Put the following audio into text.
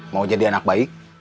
mau jadi anak baik